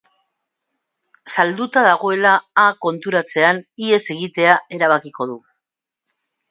Salduta dagoela Â konturatzean, ihes egitea erabakiko du.